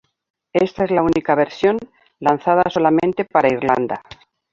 Esta es la única versión, lanzada solamente para Irlanda.